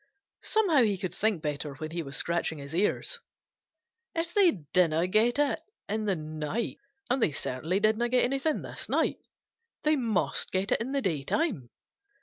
Somehow he could think better when he was scratching his ears. "If they don't get it in the night, and they certainly didn't get anything this night, they must get it in the daytime.